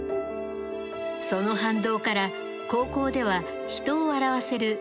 その反動から高校では人を笑わせる落語に熱中。